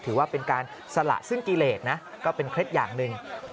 ถือว่าเป็นการสละซึ่งกิเลสนะก็เป็นเคล็ดอย่างหนึ่ง